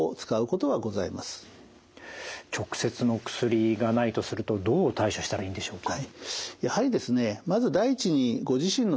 直接の薬がないとするとどう対処したらいいんでしょうか？